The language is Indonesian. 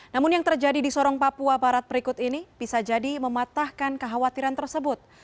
namun yang terjadi di sorong papua barat berikut ini bisa jadi mematahkan kekhawatiran tersebut